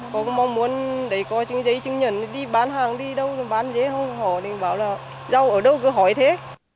có mong muốn để có chứng dấy chứng nhận đi bán hàng đi đâu bán dế không hỏi bảo là rau ở đâu cứ hỏi thế